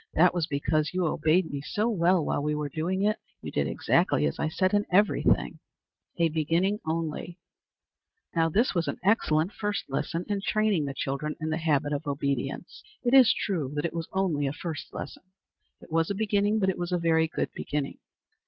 That was because you obeyed me so well while we were doing it. You did exactly as I said in every thing." A Beginning only. Now this was an excellent first lesson in training the children to the habit of obedience. It is true that it was only a first lesson. It was a beginning, but it was a very good beginning.